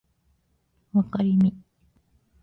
わかりみ